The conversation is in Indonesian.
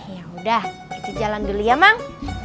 yaudah ije jalan dulu ya mang